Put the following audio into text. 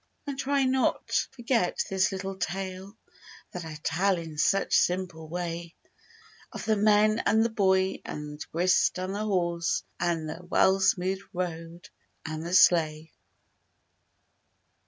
And try not forget this little tale That I tell in such simple way— Of the men and the boy and grist and the horse And the well smoothed road—and the sleigh.